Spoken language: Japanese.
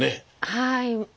はい。